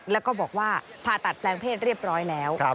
แล้วก็บอกว่าผ่าตัดแปลงเพศเรียบร้อยแล้ว